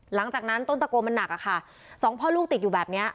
หลังจากนั้นต้นตะโกนมันหนักอะค่ะสองพ่อลูกติดอยู่แบบเนี้ย